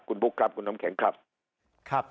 คุณบุ๊คครับคุณน้ำแข็งครับ